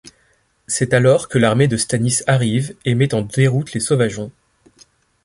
C'est alors que l'armée de Stannis arrive et met en déroute les Sauvageons.